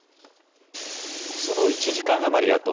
その１時間余りあと